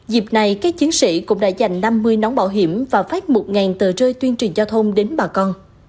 dịp này các chiến sĩ cũng đã dành năm mươi nón bảo hiểm và phát một tờ rơi tuyên truyền giao thông đến bà con